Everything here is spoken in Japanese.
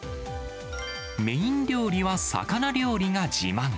メイン料理は魚料理が自慢。